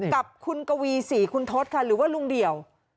กับคุณกวีศรีคุณทศค่ะหรือว่าลุงเดี่ยว